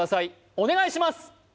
お願いします